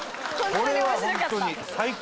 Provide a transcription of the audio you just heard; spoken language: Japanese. これはホントに。